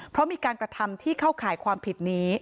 เพราะมีการกระทำที่เข้าข่ายความผิดนี้